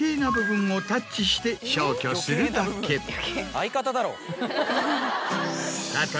相方だろ！